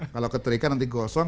kalau keterikan nanti gosong